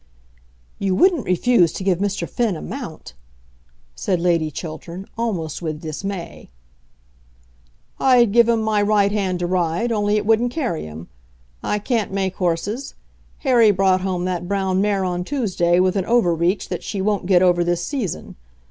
"You wouldn't refuse to give Mr. Finn a mount!" said Lady Chiltern, almost with dismay. "I'd give him my right hand to ride, only it wouldn't carry him. I can't make horses. Harry brought home that brown mare on Tuesday with an overreach that she won't get over this season.